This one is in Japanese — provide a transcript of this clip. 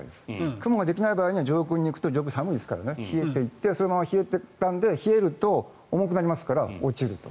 雲ができない場合、上空に行くと上空は寒いですから冷えてそのまま冷えると重くなりますから落ちると。